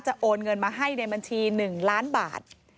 โอนเงินมาให้ในบัญชี๑ล้านบาท